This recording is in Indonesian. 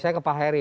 saya ke pak heri